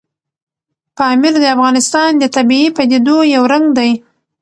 پامیر د افغانستان د طبیعي پدیدو یو رنګ دی.